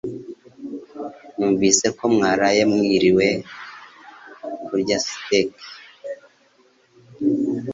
Numvise ko mwaraye mwiriwe kurya stake.